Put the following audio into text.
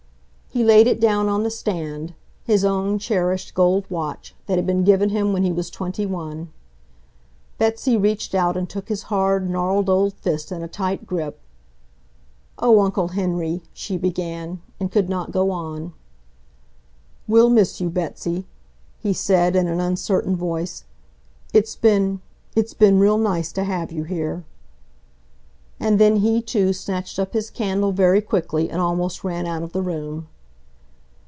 He laid it down on the stand, his own cherished gold watch, that had been given him when he was twenty one. Betsy reached out and took his hard, gnarled old fist in a tight grip. "Oh, Uncle Henry!" she began, and could not go on. "We'll miss you, Betsy," he said in an uncertain voice. "It's been ... it's been real nice to have you here ..." And then he too snatched up his candle very quickly and almost ran out of the room.